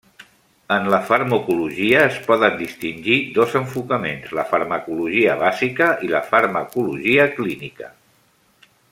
En la farmacologia es poden distingir dos enfocaments, la farmacologia bàsica i la farmacologia clínica.